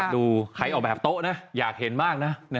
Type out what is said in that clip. ดูใครออกแบบโต๊ะนะอยากเห็นมากนะ